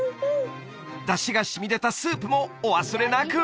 出汁が染み出たスープもお忘れなく！